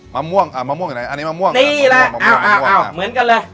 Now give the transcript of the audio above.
มะม่วงอ่ามะม่วงอยู่ไหนอันนี้มะม่วงนี่แหละมะม่วงอ้าวอ้าวเหมือนกันเลย